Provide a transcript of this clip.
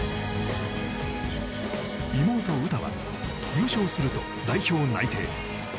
妹・詩は優勝すると代表内定。